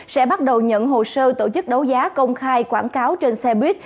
sẽ bắt đầu nhận hồ sơ tổ chức đấu giá công khai quảng cáo trên xe buýt